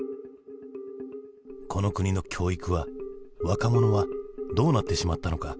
この国の教育は若者はどうなってしまったのか？